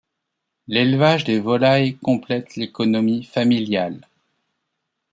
L'élevage des volailles complètent l'économie familiale.